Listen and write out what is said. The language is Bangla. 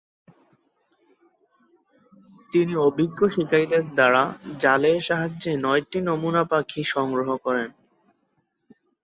তিনি অভিজ্ঞ শিকারীদের দ্বারা জালের সাহায্যে নয়টি নমুনা পাখি সংগ্রহ করেন।